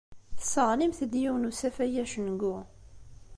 Tesseɣlimt-d yiwen n usafag acengu.